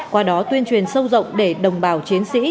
qua đó tuyên truyền sâu rộng để đồng bào chiến sĩ